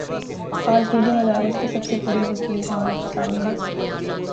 آج دینی مدارس کی سب سے بڑی وکیل جماعت اسلامی ہے۔